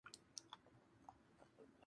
Por último destacan sus patas que son oscuras.